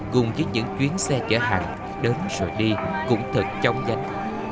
cùng với những chuyến xe chở hàng đến rồi đi cũng thật chóng nhanh